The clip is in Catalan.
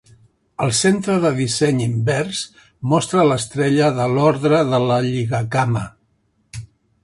El centre del disseny invers mostra l'estrella de l'Orde de la Lligacama.